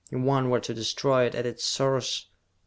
If one were to destroy it at its source....